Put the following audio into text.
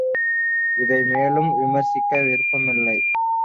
இதை மேலும் விமரிசிக்க விரும்பவில்லை.